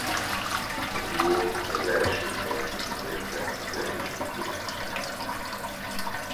A duó az első helyet is elérte az Egyesült Királyságban.